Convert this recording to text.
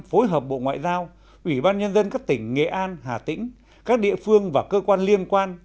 phối hợp bộ ngoại giao ủy ban nhân dân các tỉnh nghệ an hà tĩnh các địa phương và cơ quan liên quan